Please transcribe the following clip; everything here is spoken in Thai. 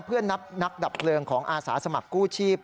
เพื่อนับนักดับเพลิงของอาสาสมัครกู้ชีพ